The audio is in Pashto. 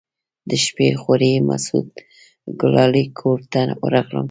د شپې خوريي مسعود ګلالي کور ته ورغلم.